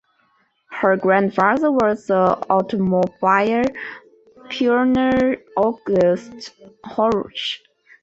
Her grandfather was the automobile pioneer August Horch.